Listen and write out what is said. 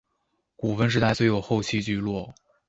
古坟时代虽有后期聚落。